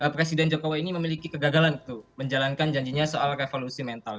presiden jokowi ini memiliki kegagalan menjalankan janjinya soal revolusi mental